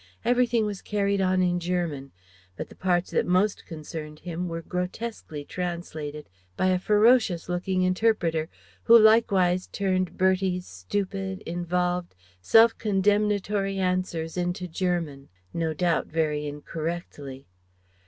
Everything was carried on in German, but the parts that most concerned him were grotesquely translated by a ferocious looking interpreter, who likewise turned Bertie's stupid, involved, self condemnatory answers into German no doubt very incorrectly.